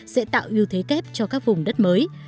sẽ tạo ưu thế kép cho các vùng đất mới